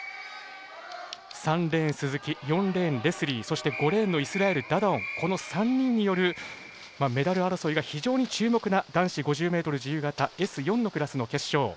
３レーン、鈴木４レーン、レスリーそして５レーンのイスラエル、ダダオンこの３人によるメダル争いが非常に注目な男子５０ｍ自由形Ｓ４のクラスの決勝。